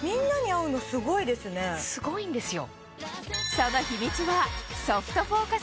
すごいんですよ。